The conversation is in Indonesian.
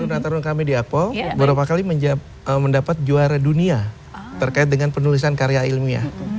sangat profesional ya berapa kali menjaga mendapat juara dunia terkait dengan penulisan karya ilmiah